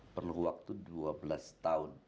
perlu waktu dua belas tahun